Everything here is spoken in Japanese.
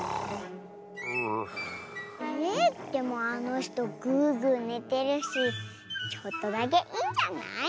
えでもあのひとグーグーねてるしちょっとだけいいんじゃない？